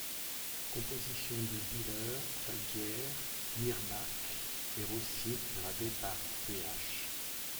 Compositions de Bieler, Falguière, Myrbach et Rossi, gravées par Ch.